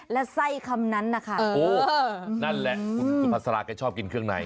และไส้คำนั้นนะคะโอ้นั่นแหละคุณสุภาษาราแกชอบกินเครื่องใน